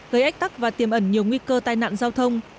gây ách tắc và tiềm ẩn nhiều nguy cơ tai nạn giao thông